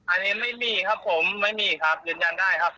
อันนี้ไม่มีครับผมไม่มีครับยืนยันได้ครับ